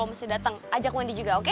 kalau mesti datang ajak mondi juga oke